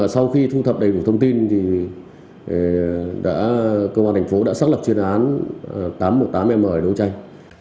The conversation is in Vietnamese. sau khi thu thập đầy đủ thông tin công an tp bắc giang đã xác lập chuyên án tám trăm một mươi tám m ở đồng trang